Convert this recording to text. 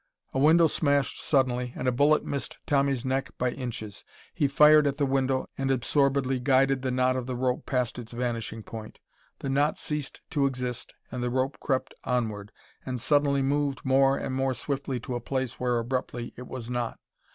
A window smashed suddenly and a bullet missed Tommy's neck by inches. He fired at that window, and absorbedly guided the knot of the rope past its vanishing point. The knot ceased to exist and the rope crept onward and suddenly moved more and more swiftly to a place where abruptly it was not.